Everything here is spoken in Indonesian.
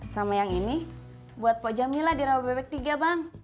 sama yang ini buat pak jamilah di rawabebek tiga bang